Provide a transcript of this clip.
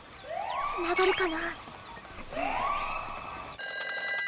つながるかな？